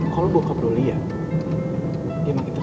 kalo bokap lo liat dia makin tertukar